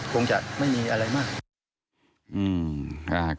คงจะไม่มีอะไรมาก